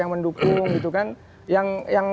yang mendukung gitu kan